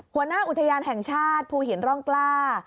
หัวหน้าอุทยานแห่งชาติภูหินร่องกล้า